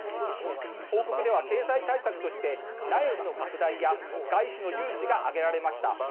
報告では経済対策として内需の拡大や外資の誘致が挙げられました。